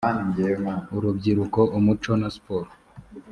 urubyiruko umuco na siporo